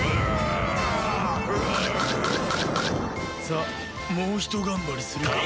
さあもうひと頑張りするか。